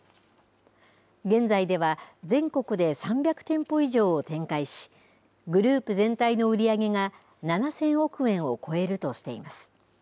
現在では、全国で３００店舗以上を展開し、グループ全体の売り上げが７０００億円を超えるとしています。